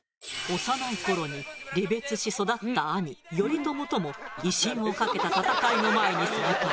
幼い頃に離別し育った兄頼朝とも威信を懸けた戦いの前に再会。